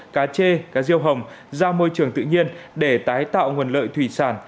cá chê cá riêu hồng ra môi trường tự nhiên để tái tạo nguồn lợi thủy sản